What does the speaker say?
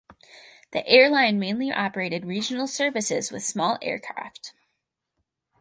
The airline mainly operated regional services with small aircraft.